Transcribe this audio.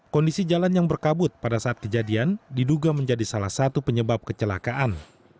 kondisi jalan yang berkabut pada saat kejadian diduga menjadi salah satu penyebab kecelakaan